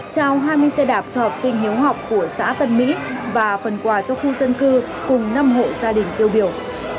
trao hai mươi xe đạp cho học sinh hiếu học của xã tân mỹ và phần quà cho khu dân cư cùng năm hộ gia đình tiêu biểu